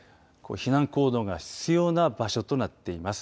避難行動が必要な場所となっています。